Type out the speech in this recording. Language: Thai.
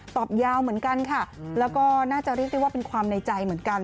ตอบยาวเหมือนกันค่ะแล้วก็น่าจะเรียกได้ว่าเป็นความในใจเหมือนกัน